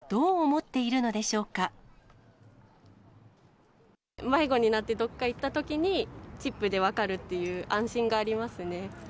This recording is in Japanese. では、実際、飼い主はどう思迷子になって、どっか行ったときに、チップで分かるという安心がありますね。